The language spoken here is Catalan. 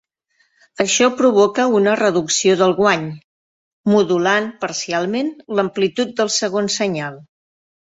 Això provoca una reducció del guany, modulant parcialment l'amplitud del segon senyal.